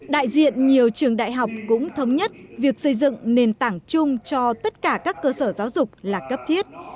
đại diện nhiều trường đại học cũng thống nhất việc xây dựng nền tảng chung cho tất cả các cơ sở giáo dục là cấp thiết